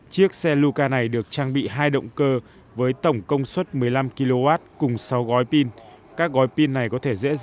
chiếc xe luca này được trang bị hai động cơ với tổng công suất một mươi năm kw cùng sáu gói pin các gói pin này có thể dễ dàng